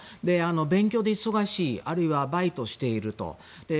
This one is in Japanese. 勉強で忙しいあるいはバイトしていると。